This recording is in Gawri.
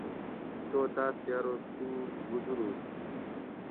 چو تاۤس کہ ارو تو بوزوروگ تھو